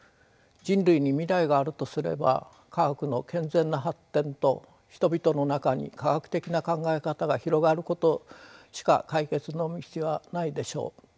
人類に未来があるとすれば科学の健全な発展と人々の中に科学的な考え方が広がることしか解決の道はないでしょう。